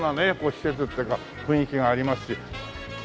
施設っていうか雰囲気がありますし。